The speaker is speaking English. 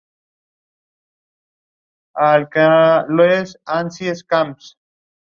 Jim Blackstone and Lavell Isbell were the team captains.